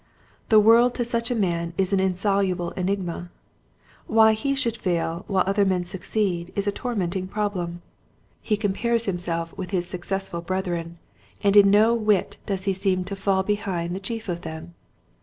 The world to such a man is an insoluble enigma. Why he should fail while other men suc ceed is a tormenting problem. He com pares himself with his successful brethren Unconscious Decay. 213 and in no whit does he seem to fall behind the chief of them.